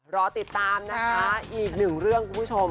รอติดตามนะคะอีกหนึ่งเรื่องคุณผู้ชม